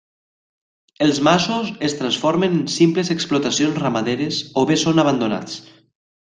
Els masos es transformen en simples explotacions ramaderes o bé són abandonats.